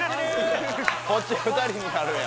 こっち２人になるんや。